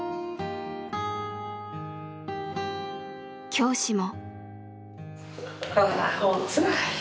教師も。